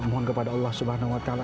mohon kepada allah subhanahu wa ta'ala